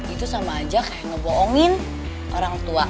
itu sama saja seperti membohong orang tua